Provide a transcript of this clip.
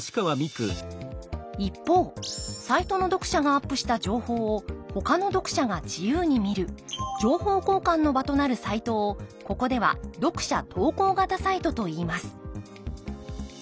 一方サイトの読者がアップした情報をほかの読者が自由に見る情報交換の場となるサイトをここでは読者投稿型サイトといいます